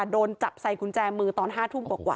โดนจับใส่กุญแจมือตอน๕ทุ่มกว่า